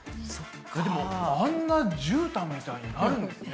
でもあんなじゅうたんみたいになるんですね。